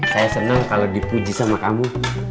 saya senang kalau dipuji sama kamu